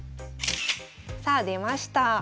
さあ出ました。